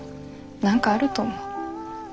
何かあると思う。